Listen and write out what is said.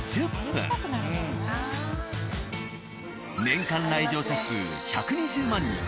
年間来場者数１２０万人。